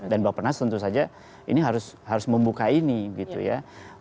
dan bapak nas tentu saja ini harus membuka ini gitu ya